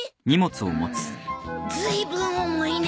うんずいぶん重いね。